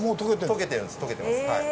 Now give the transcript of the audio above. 溶けてますはい。